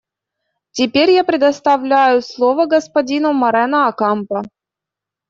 Теперь я предоставляю слово господину Морено Окампо.